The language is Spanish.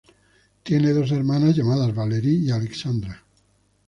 Tiene dos hermanas llamadas Valerie y Alexandra.